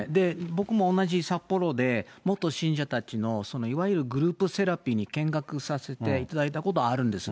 僕も同じ札幌で、元信者たちの、そのいわゆるグループセラピーに見学させていただいたことがあるんです。